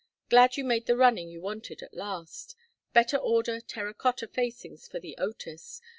Glad you made the running you wanted at last. Better order terra cotta facings for The Otis.